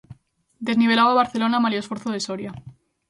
Desnivelaba o Barcelona malia o esforzo de Soria.